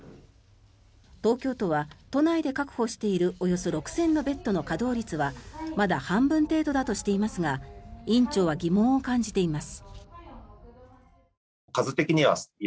東京都は都内で確保しているおよそ６０００のベッドの稼働率はまだ半分程度だとしていますが院長は疑問を感じています。